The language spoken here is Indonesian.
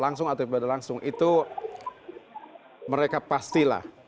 langsung atau tidak langsung itu mereka pastilah